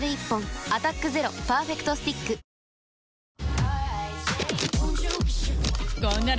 「アタックＺＥＲＯパーフェクトスティック」あ